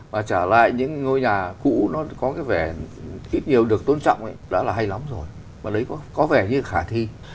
và trở lại những ngôi nhà cũ có vẻ ít nhiều được tôn trọng đã hay lắm rồi là có vẻ khả thi